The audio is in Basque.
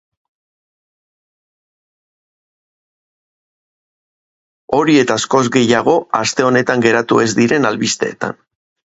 Hori eta askoz gehiago, aste honetan geratu ez diren albisteetan!